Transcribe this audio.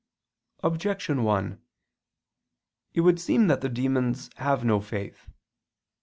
Objection 1: It would seem that the demons have no faith.